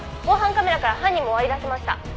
防犯カメラから犯人も割り出せました」